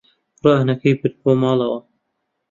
قورئانەکەی برد بۆ ماڵەوە.